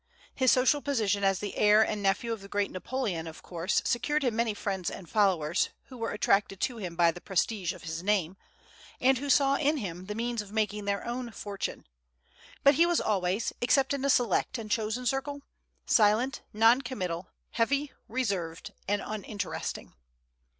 His social position as the heir and nephew of the great Napoleon of course secured him many friends and followers, who were attracted to him by the prestige of his name, and who saw in him the means of making their own fortune; but he was always, except in a select and chosen circle, silent, non committal, heavy, reserved, and uninteresting.